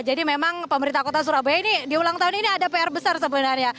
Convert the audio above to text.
jadi memang pemerintah kota surabaya ini di ulang tahun ini ada pr besar sebenarnya